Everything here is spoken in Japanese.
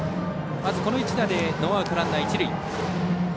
まず、この一打でノーヒット、ランナー、一塁。